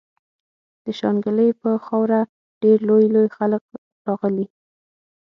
د شانګلې پۀ خاوره ډېر لوئ لوئ خلق راغلي